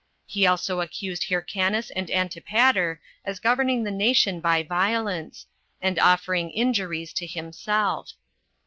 He also accused Hyrcanus and Antipater as governing the nation by violence, and offering injuries to himself.